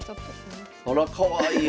あらかわいい！